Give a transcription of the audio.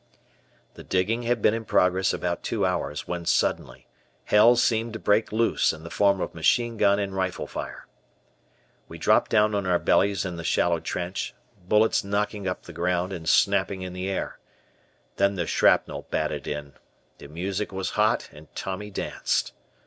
The digging had been in progress about two hours, when suddenly, hell seemed to break loose in the form of machine gun and rifle fire. We dropped down on our bellies in the shallow trench, bullets knocking up the ground and snapping in the air. Then the shrapnel batted in. The music was hot and Tommy danced.